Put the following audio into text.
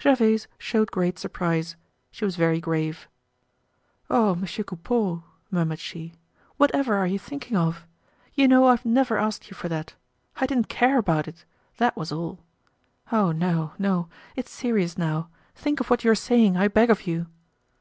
Gervaise showed great surprise. She was very grave. "Oh! Monsieur Coupeau," murmured she, "whatever are you thinking of? You know I've never asked you for that. I didn't care about it—that was all. Oh, no, no! it's serious now; think of what you're saying, I beg of you."